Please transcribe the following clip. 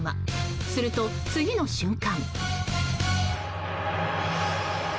すると、次の瞬間。